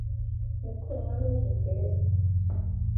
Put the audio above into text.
Ni Kuro umwami w’u Buperesi